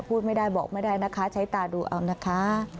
พูดไม่ได้บอกไม่ได้นะคะใช้ตาดูเอานะคะ